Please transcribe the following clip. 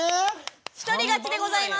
一人勝ちでございます。